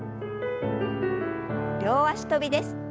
両脚跳びです。